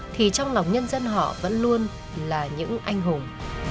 thì trong lòng nhân dân họ vẫn luôn là những anh hùng